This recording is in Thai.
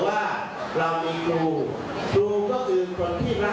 แม้ว่าครูจะด่าจะว่างหรือจะอะไรก็ตาม